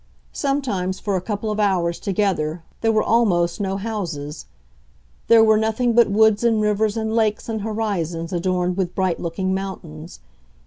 Sometimes, for a couple of hours together, there were almost no houses; there were nothing but woods and rivers and lakes and horizons adorned with bright looking mountains.